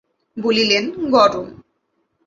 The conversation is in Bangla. বলিলেন, গরম।